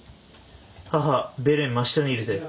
母ベレン真下にいるぜ。